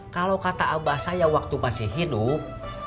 kalau kata abah saya waktu masih hidup